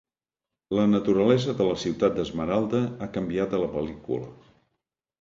La naturalesa de la ciutat d'Esmeralda ha canviat a la pel·lícula.